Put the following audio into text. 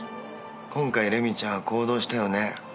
今回レミちゃんは行動したよね？